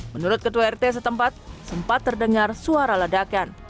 menurut ketua rt setempat sempat terdengar suara ledakan